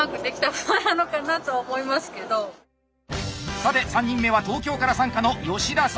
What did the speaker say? さて３人目は東京から参加の吉田咲。